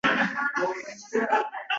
Bir baxya ham joy boʻsh qolmasin